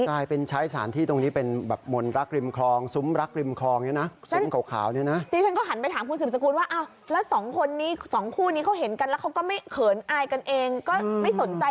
ก็ไม่สนใจใครแบบนี้อะค่ะ